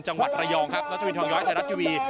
จังหวัดระยองครับนัทวินทองย้อยไทยรัฐทีวี